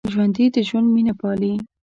ژوندي د ژوند مینه پالي